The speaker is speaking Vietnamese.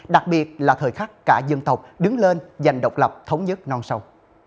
đặc biệt là thời khắc cả dân tộc đứng lên giành độc lập thống nhất non sông